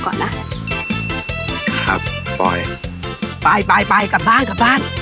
ครับปอยไปไปไปกลับบ้านกลับบ้าน